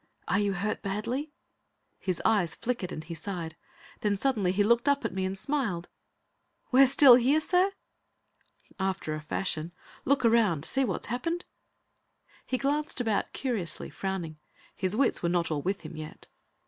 "Are you hurt badly?" His eyelids flickered, and he sighed; then, suddenly, he looked up at me and smiled! "We're still here, sir?" "After a fashion. Look around; see what's happened?" He glanced about curiously, frowning. His wits were not all with him yet.